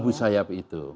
abu sayyaf itu